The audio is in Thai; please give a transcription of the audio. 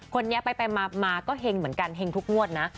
คนนี้ไปมาก็เห็งเหมือนกันเฮงทุกงวดนะ